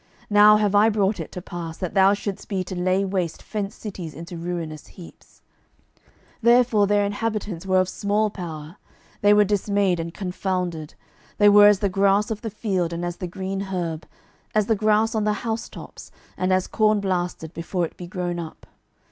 now have I brought it to pass, that thou shouldest be to lay waste fenced cities into ruinous heaps. 12:019:026 Therefore their inhabitants were of small power, they were dismayed and confounded; they were as the grass of the field, and as the green herb, as the grass on the house tops, and as corn blasted before it be grown up.